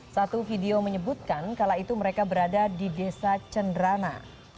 satu video menyebutkan kala itu mereka berada di desa cendrana